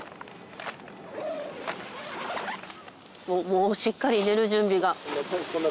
もうしっかり寝る準備が。